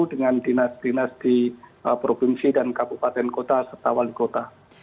dengan dinas dinas di provinsi dan kabupaten kota serta wali kota